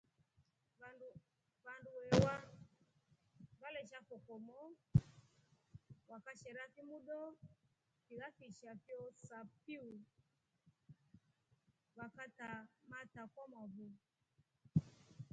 Wandu wewa waleshafokomoo wakashera vimudoo fila fisha fyosa piu vakata mata kwamwavo.